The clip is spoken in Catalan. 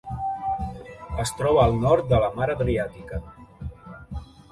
Es troba al nord de la Mar Adriàtica.